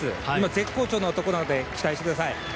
絶好調の男なので期待してください。